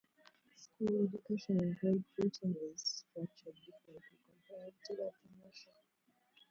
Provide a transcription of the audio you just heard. School education in Great Britain is structured differently compared to that in Russia.